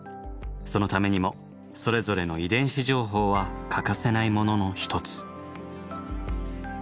そのためにもそれぞれの遺伝子情報は欠かせないものの一つ。